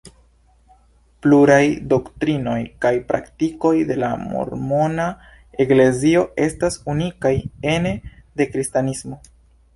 Pluraj doktrinoj kaj praktikoj de la mormona eklezio estas unikaj ene de kristanismo.